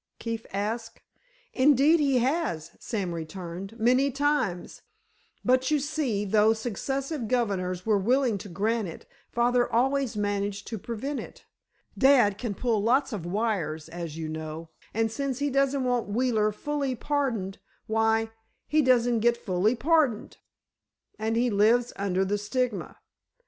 Keefe asked. "Indeed he has," Sam returned, "many times. But you see, though successive governors were willing to grant it, father always managed to prevent it. Dad can pull lots of wires, as you know, and since he doesn't want Wheeler fully pardoned, why, he doesn't get fully pardoned." "And he lives under the stigma."